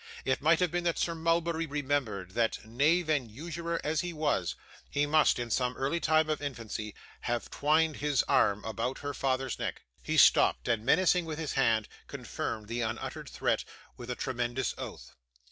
It might have been that Sir Mulberry remembered, that, knave and usurer as he was, he must, in some early time of infancy, have twined his arm about her father's neck. He stopped, and menacing with his hand, confirmed the unuttered threat with a tremendous oath.